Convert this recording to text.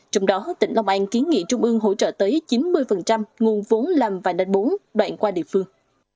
trong đó tỉnh long an kiến nghị trung ương hỗ trợ tới chín mươi nguồn vốn làm vành đai bốn đoạn qua địa phương